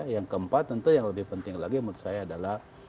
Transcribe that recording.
yang keempat tentu yang lebih penting lagi menurut saya adalah